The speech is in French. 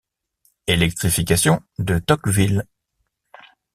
Électrification de Tocqueville.